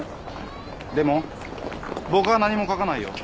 でも僕は何も書かないよ。